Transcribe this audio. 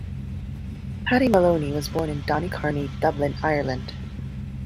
Paddy Moloney was born in Donnycarney, Dublin, Ireland.